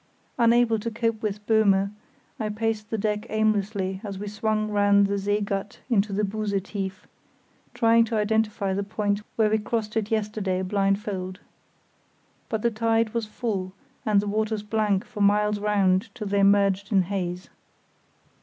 Unable to cope with Böhme, I paced the deck aimlessly as we swung round the See Gat into the Buse Tief, trying to identify the point where we crossed it yesterday blindfold. But the tide was full, and the waters blank for miles round till they merged in haze.